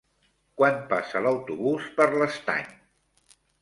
Quan passa l'autobús per l'Estany?